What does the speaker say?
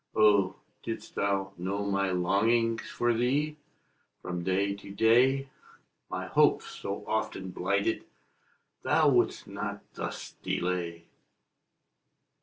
Oh, didst thou know my longings For thee, from day to day, My hopes, so often blighted, Thou wouldst not thus delay!